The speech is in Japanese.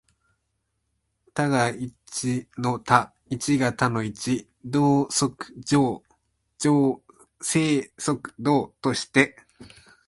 多が一の多、一が多の一、動即静、静即動として、